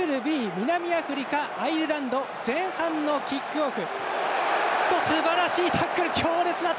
南アフリカ、アイルランド前半のキックオフ。